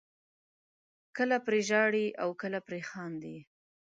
کله پرې ژاړئ او کله پرې خاندئ.